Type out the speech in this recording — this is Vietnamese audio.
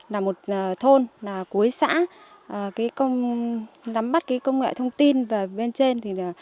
là một thôn cuối xã lắm bắt công nghệ thông tin và bên trên